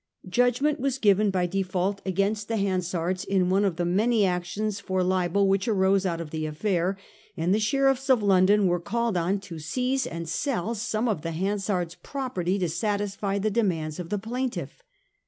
Judgment was given by default against the Hansards in one of the many actions for libel which arose out of the affair, and the sheriffs of London were called on to seize and sell some of the Hansards' property to satisfy the demands of the plaintiff.